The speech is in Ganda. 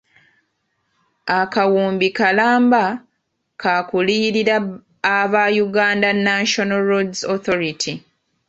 Akawumbi kalamba ka kuliyirira aba Uganda National Roads Authority.